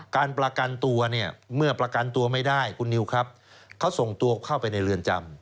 การประกันตัวเนี่ยเมื่อประกันตัวไม่ได้คุณนิวครับเขาส่งตัวเข้าไปในเรือนจำ